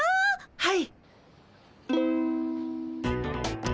はい。